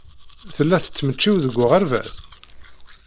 Tella tettmecčiw deg uɣerbaz?